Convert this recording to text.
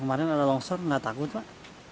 kemarin ada longsor nggak takut pak